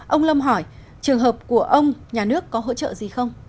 ông lâm hỏi trường hợp của ông nhà nước có hỗ trợ gì không